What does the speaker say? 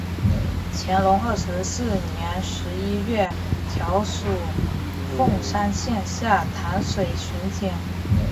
乾隆二十四年十一月调署凤山县下淡水巡检。